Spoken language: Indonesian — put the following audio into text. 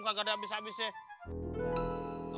gak ada abis abisnya